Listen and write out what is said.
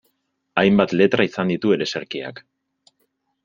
Hainbat letra izan ditu ereserkiak.